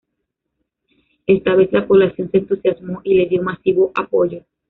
Esta vez la población se entusiasmó y le dio masivo apoyo.